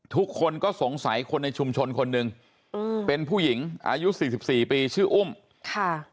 ทุกคนก็สงสัยคนในชุมชนคนหนึ่งเป็นผู้หญิงอายุ๔๔ปีชื่ออุ้มค่ะ